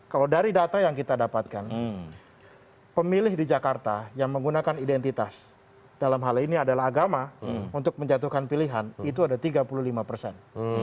kalau dari data yang kita dapatkan pemilih di jakarta yang menggunakan identitas dalam hal ini adalah agama untuk menjatuhkan pilihan itu ada tiga puluh lima persen